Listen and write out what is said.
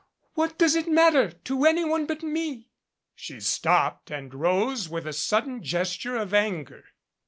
What does it matter to any one but me ?" She stopped and rose with a sudden gesture of anger.